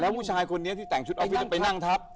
ผู้ชายคนนี้ที่แต่งชุดออฟฟิศไปนั่งทับ